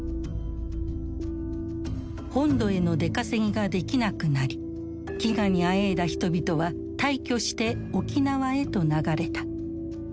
本土への出稼ぎができなくなり飢餓にあえいだ人々は大挙して沖縄へと流れた。